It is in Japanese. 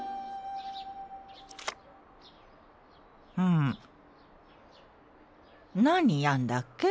ん何やんだっけ？